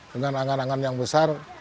dengan angan angan yang besar